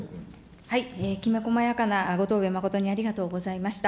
きめ細やかなご答弁誠にありがとうございました。